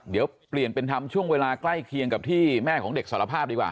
เดี๋ยวเปลี่ยนเป็นทำช่วงเวลาใกล้เคียงกับที่แม่ของเด็กสารภาพดีกว่า